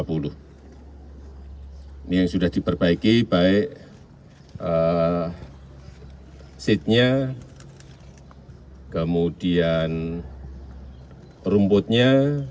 ini yang sudah diperbaiki baik seed nya kemudian rumputnya